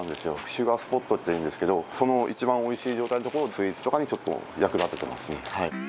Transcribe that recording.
シュガースポットっていうんですけど、その一番おいしい状態のところを、スイーツとかにちょっと役立ててますね。